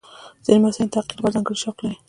ځینې محصلین د تحقیق لپاره ځانګړي شوق لري.